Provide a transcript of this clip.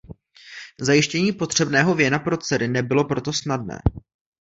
Zajištění potřebného věna pro dcery nebylo proto snadné.